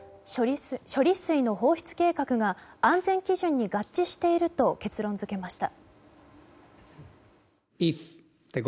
処理水の放出計画が安全基準に合致していると結論付けました。